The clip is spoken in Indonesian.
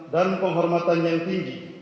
dan penghormatan yang tinggi